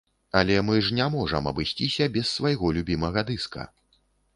Але мы ж не можам абысціся без свайго любімага дыска.